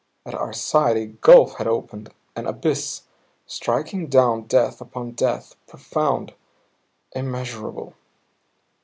At our side a gulf had opened, an abyss, striking down depth upon depth; profound; immeasurable.